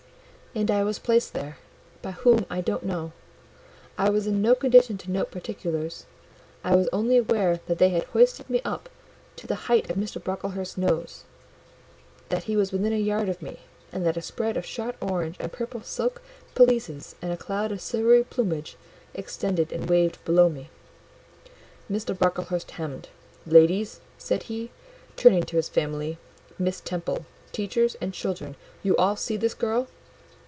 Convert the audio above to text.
And I was placed there, by whom I don't know: I was in no condition to note particulars; I was only aware that they had hoisted me up to the height of Mr. Brocklehurst's nose, that he was within a yard of me, and that a spread of shot orange and purple silk pelisses and a cloud of silvery plumage extended and waved below me. Mr. Brocklehurst hemmed. "Ladies," said he, turning to his family, "Miss Temple, teachers, and children, you all see this girl?"